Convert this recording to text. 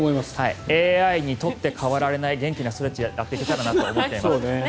ＡＩに取って代わられない元気なストレッチやっていけたらなと思います。